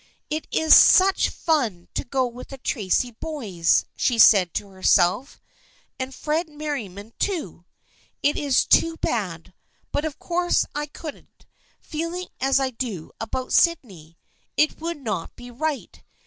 " It is such fun to go with the Tracy boys," she said to herself, " and Fred Merriam too ! It is too bad. But of course I couldn't, feeling as I do about Sydney. It would not be right.